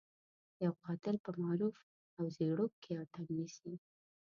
يو قاتل په معروف او زيړوک کې يو تن نيسي.